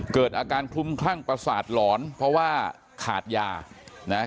เกิดอาการคลุมคลั่งประสาทหลอนเพราะว่าขาดยานะฮะ